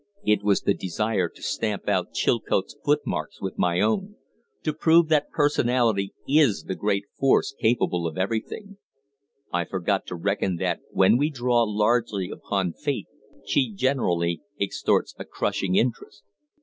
"It was the desire to stamp out Chilcote's footmarks with my own to prove that personality is the great force capable of everything. I forgot to reckon that when we draw largely upon Fate she generally extorts a crushing interest.